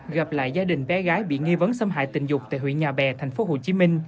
gặp lại gia đình bé gái bị nghi vấn xâm hại tình dục tại huyện nhà bè tp hcm